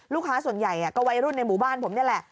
ลูกค้าส่วนใหญ่ก็วัยรุ่นในหมู่บ้านผมนี่แหละ